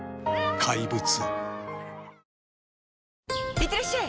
いってらっしゃい！